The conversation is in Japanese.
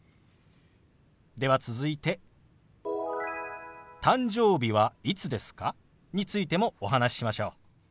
では続いて「誕生日はいつですか？」についてもお話ししましょう。